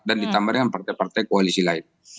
dan ditambah dengan partai partai koalisi lain